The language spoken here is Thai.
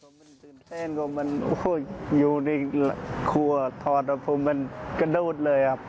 พอมันตื่นเต้นก็มันอยู่ในครัวถอดเอาผมมันกระโดดเลยครับ